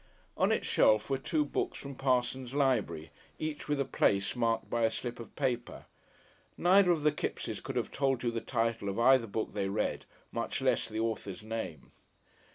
On its shelf were two books from Parsons' Library, each with a "place" marked by a slip of paper; neither of the Kippses could have told you the title of either book they read, much less the author's name.